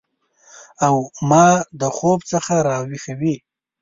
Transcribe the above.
او ما د خوب څخه راویښوي